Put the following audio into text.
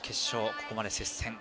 ここまで接戦。